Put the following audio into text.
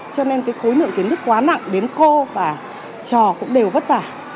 cho nên cái khối lượng kiến thức quá nặng đến cô và trò cũng đều vất vả